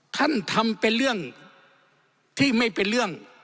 ท่านทำเป็นเรื่องที่ไม่เป็นเรื่อง